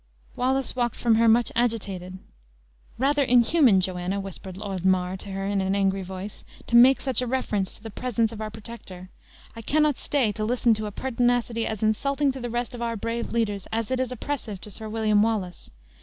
Wallace walked from her much agitated. "Rather inhuman, Joanna," whispered Lord Mar to her in an angry voice, "to make such a reference to the presence of our protector! I cannot stay to listen to a pertinacity as insulting to the rest of our brave leaders as it is oppressive to Sir William Wallace.